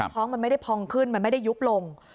ท้องมันไม่ได้พองขึ้นมันไม่ได้ยุบลง